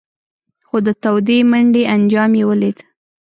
خو د تودې منډۍ انجام یې ولید.